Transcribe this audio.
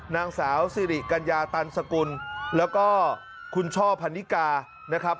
นางสาวสิริกัญญาตันสกุลแล้วก็คุณช่อพันนิกานะครับ